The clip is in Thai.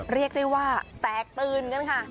เรียกได้ว่าแตกตื่นกันค่ะ